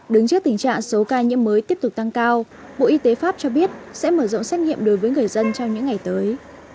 đứng trước tình trạng số ca nhiễm mới tiếp tục tăng cao bộ y tế pháp cho biết sẽ mở rộng xét nghiệm đối với người dân trong những ngày tới